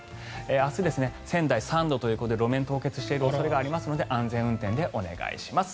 明日は仙台は３度ということで路面が凍結している可能性もあるので安全運転でお願いします。